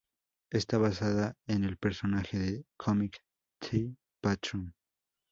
Está basada en el personaje de cómic "The Phantom".